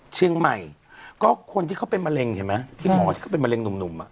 เชียงใหม่ก็คนที่เขาเป็นมะเร็งเห็นไหมที่หมอที่เขาเป็นมะเร็งหนุ่มอ่ะ